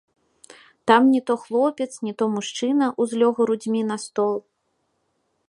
Там не то хлопец, не то мужчына ўзлёг грудзьмі на стол.